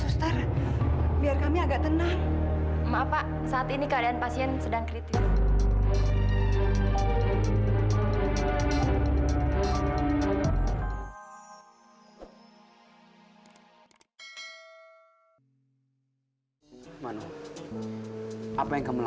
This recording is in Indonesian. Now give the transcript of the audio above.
sampai jumpa di video selanjutnya